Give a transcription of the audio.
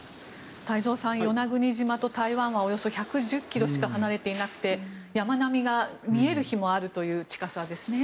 太蔵さん与那国島と台湾はおよそ１１０ｋｍしか離れていなくて山並みが見える日もあるという近さですね。